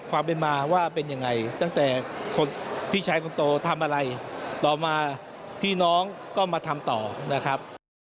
ความเป็นมาว่าเป็นยังไงตั้งแต่พี่ชายคนโตทำอะไรต่อมาพี่น้องก็มาทำต่อนะครับ